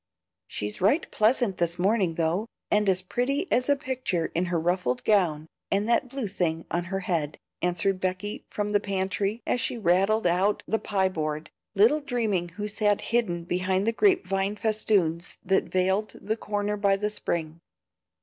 She's right pleasant this morning though, and as pretty as a picture in her ruffled gown and that blue thing on her head," answered Becky from the pantry, as she rattled out the pie board, little dreaming who sat hidden behind the grape vine festoons that veiled the corner by the spring.